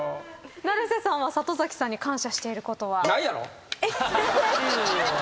成瀬さんは里崎さんに感謝していることは？